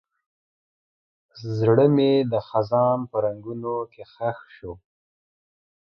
زړه مې د خزان په رنګونو کې ښخ شو.